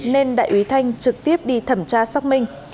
nên đại úy thanh trực tiếp đi thẩm tra xác minh